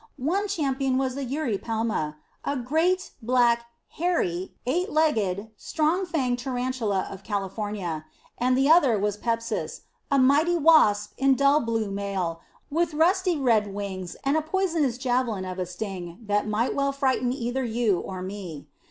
One champion was Eurypelma, the great, black, hairy, eight legged, strong fanged tarantula of California, and the other was Pepsis, a mighty wasp in dull blue mail, with rusty red wings and a poisonous javelin of a sting that might well frighten either you or me.